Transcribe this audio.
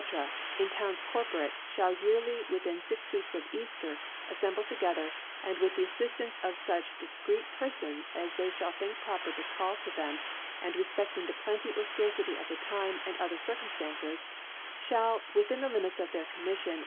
r, in Towns * Corporate, (haft yearly within fix Weeks * of Eafier^ aflemDle together, and, with \ the Afliftance of &ch diicreet Perfons as ^ they (hall think proper to call to them, and * refpfc&ing the Pknty or ^Scarcity of the ^ Time, and other Circutnftances, fhaliy ^ within the limits of their Comtniflioo